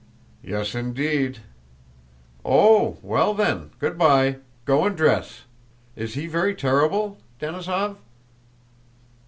"Yes, indeed!" "Oh, well then, good by: go and dress. Is he very terrible, Denísov?"